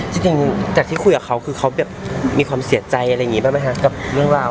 จริงจากที่คุยกับเขาคือเขาแบบมีความเสียใจอะไรอย่างนี้บ้างไหมคะกับเรื่องราว